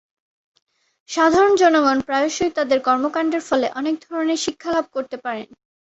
সাধারণ জনগণ প্রায়শঃই তাদের কর্মকাণ্ডের ফলে অনেক ধরনের শিক্ষালাভ করতে পারেন।